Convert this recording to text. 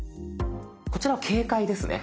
こちらは警戒ですね。